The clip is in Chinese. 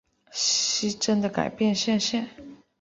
失真的改变现象。